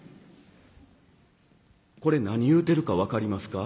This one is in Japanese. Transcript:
「これ何言うてるか分かりますか？